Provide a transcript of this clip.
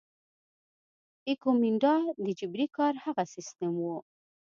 ایکومینډا د جبري کار هغه سیستم وو.